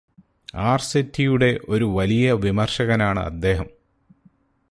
ആർസിറ്റിയുടെ ഒരു വലിയ വിമർശകനാണ് അദ്ദേഹം.